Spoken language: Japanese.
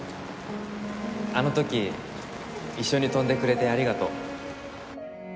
あの時一緒に飛んでくれてありがとう。